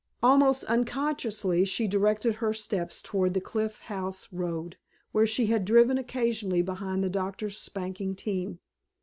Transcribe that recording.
Almost unconsciously she directed her steps toward the Cliff House Road where she had driven occasionally behind the doctor's spanking team.